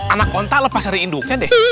anak onta lepas hari induknya deh